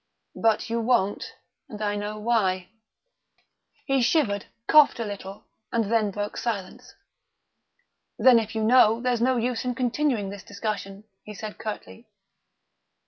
But you won't, and I know why." He shivered, coughed a little, and then broke silence. "Then if you know, there's no use in continuing this discussion," he said curtly.